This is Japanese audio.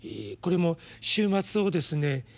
これも終末をですね